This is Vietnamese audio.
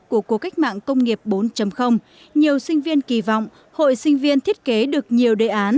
của cuộc cách mạng công nghiệp bốn nhiều sinh viên kỳ vọng hội sinh viên thiết kế được nhiều đề án